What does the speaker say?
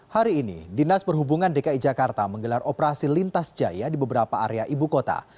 hari ini dinas perhubungan dki jakarta menggelar operasi lintas jaya di beberapa area ibu kota